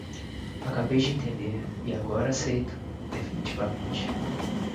Acabei de entender, e agora aceito, definitivamente